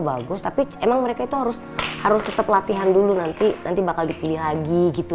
bagus tapi emang mereka itu harus harus tetap latihan dulu nanti bakal dipilih lagi gitu